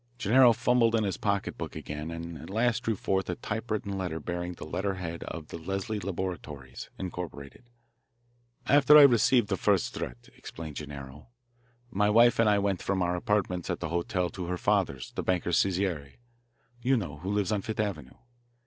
Gennaro fumbled in his pocketbook again, and at last drew forth a typewritten letter bearing the letter head of the Leslie Laboratories, Incorporated. "After I received the first threat," explained Gennaro, "my wife and I went from our apartments at the hotel to her father's, the banker Cesare, you know, who lives on Fifth Avenue.